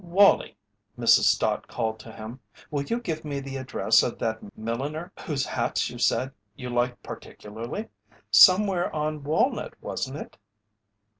"Wallie," Mrs. Stott called to him, "will you give me the address of that milliner whose hats you said you liked particularly? Somewhere on Walnut, wasn't it?"